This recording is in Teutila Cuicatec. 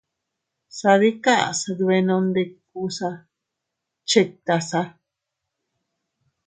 Sadikas dbenondikusa chiktasa.